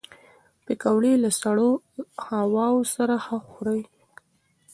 پکورې له سړو هواوو سره ښه خوري